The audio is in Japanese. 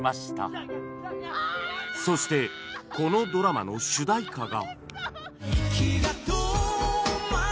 そしてこのドラマの主題歌が